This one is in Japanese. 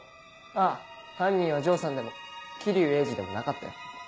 ああ犯人は城さんでも霧生鋭治でもなかったよ。